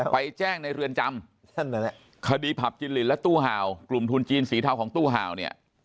ไปแจ้งในเรือนจำนั่นแหละคดีผับจินลินและตู้ห่าวกลุ่มทุนจีนสีเทาของตู้ห่าวเนี่ย